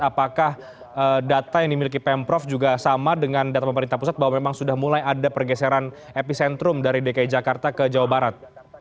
apakah data yang dimiliki pemprov juga sama dengan data pemerintah pusat bahwa memang sudah mulai ada pergeseran epicentrum dari dki jakarta ke jawa barat